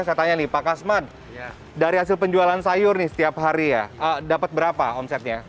saya tanya nih pak kasmat dari hasil penjualan sayur setiap hari dapat berapa omsetnya